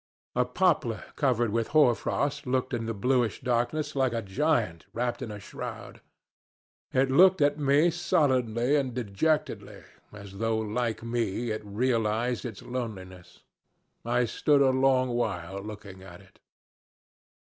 A poplar covered with hoar frost looked in the bluish darkness like a giant wrapt in a shroud. It looked at me sullenly and dejectedly, as though like me it realized its loneliness. I stood a long while looking at it.